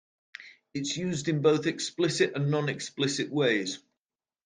It is used in both explicit and non-explicit ways.